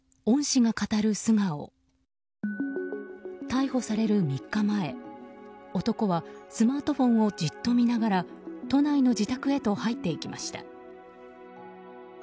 逮捕される３日前、男はスマートフォンをじっと見ながら都内の自宅へと入っていきました。